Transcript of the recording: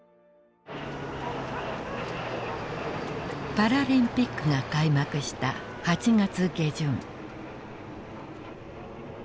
パラリンピックが開幕した８月下旬。